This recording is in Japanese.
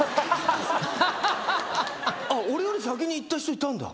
俺より先に行った人いたんだ